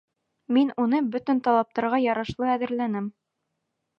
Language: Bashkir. Мин уны бөтөн талаптарға ярашлы әҙерләнем.